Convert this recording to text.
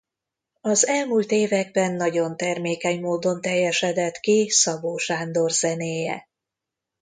Az elmúlt években nagyon termékeny módon teljesedett ki Szabó Sándor zenéje.